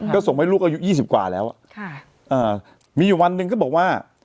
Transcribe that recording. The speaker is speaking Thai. ก็ส่งให้ลูกอายุ๒๐กว่าแล้วมีอยู่วันหนึ่งก็บอกว่า